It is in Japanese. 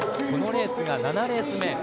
このレースが７レース目。